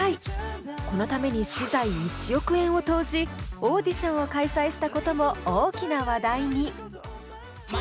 このために私財１億円を投じオーディションを開催したことも大きな話題に。